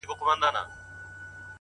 هر یو زوی به دي له ورور سره دښمن وي!!